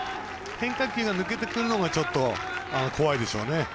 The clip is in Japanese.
変化球が抜けてくるのがちょっと怖いでしょうね。